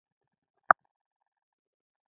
دلته لویه استوپا او مجسمې وې